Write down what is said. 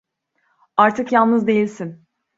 Artık yalnız değilsin.